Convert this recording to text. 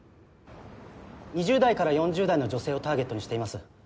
２０代から４０代の女性をターゲットにしています。